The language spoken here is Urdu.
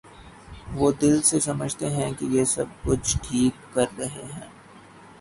وہ دل سے سمجھتے ہیں کہ یہ سب کچھ ہم ٹھیک کر رہے ہیں۔